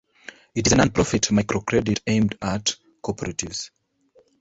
It is a non-profit microcredit aimed at cooperatives.